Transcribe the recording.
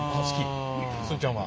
すーちゃんは？